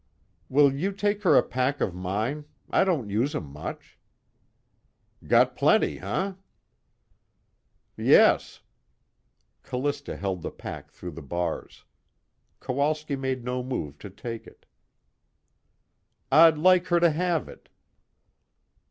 "Will you take her a pack of mine? I don't use 'em much." "Got plenty, huh?" "Yes." Callista held the pack through the bars. Kowalski made no move to take it. "I'd like her to have it."